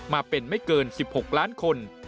มาเป็นไม่เกิน๑๖ล้านคน